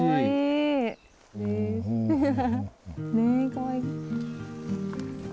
かわいい。